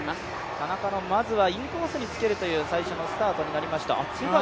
田中のまずはインコースにつけるという展開になりました。